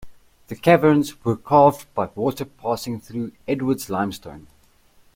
The caverns were carved by water passing through Edwards limestone.